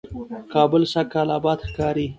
کابل سږکال آباد ښکاري،